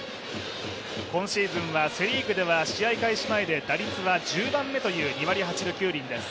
今シーズンはセ・リーグでは試合開始前で打率は１０番目、２割８分９厘です。